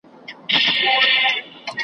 چنداني چا سیالي نه ده کړې